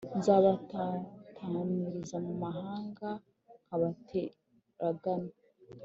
nzabatataniriza mu mahanga nkabateragana